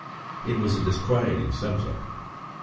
It was a disquieting subject.